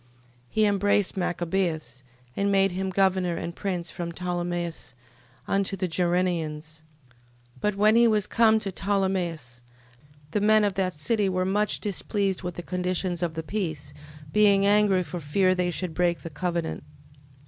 13:24. He embraced Machabeus, and made him governor and prince from Ptolemais unto the Gerrenians. 13:25. But when he was come to Ptolemais, the men of that city were much displeased with the conditions of the peace, being angry for fear they should break the covenant.